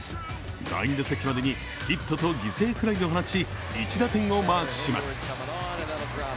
第２打席までにヒットと犠牲フライを放ち１打点をマークします。